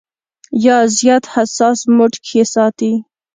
يا زيات حساس موډ کښې ساتي -